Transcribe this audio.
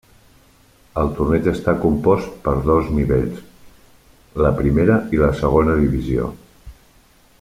El torneig està compost per dos nivells, la primera i la segona divisió.